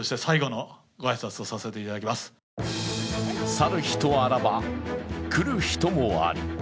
去る人あらば来る人もあり。